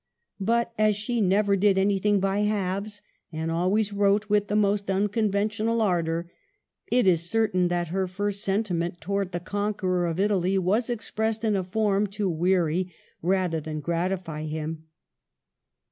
But as she never did anything by halves, and always wrote with the most unconventional ardor, it is certain that her first sentiments towards the conqueror of Italy were expressed in a form to weary rather than gratify him.